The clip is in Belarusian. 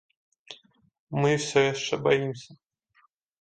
Мы ўсё яшчэ баімся.